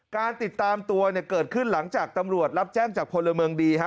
การติดตามตัวเนี่ยเกิดขึ้นหลังจากตำรวจรับแจ้งจากพลเมืองดีฮะ